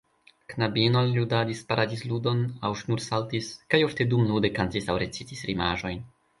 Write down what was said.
Knabinoj ludadis paradizludon aŭ ŝnursaltis, kaj ofte dumlude kantis aŭ recitis rimaĵojn.